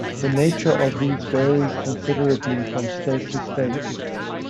The nature of these vary considerably from state to state.